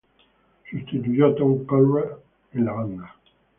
Sustituyó a Tom Conrad en la banda.